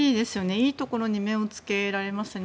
いいところに目をつけられましたね。